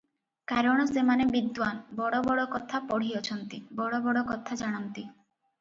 କାରଣ ସେମାନେ ବିଦ୍ୱାନ୍, ବଡ଼ ବଡ଼ କଥା ପଢ଼ିଅଛନ୍ତି, ବଡ଼ ବଡ଼ କଥା ଜାଣନ୍ତି ।